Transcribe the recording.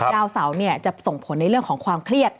ดาวเสาจะส่งผลในเรื่องของความเครียด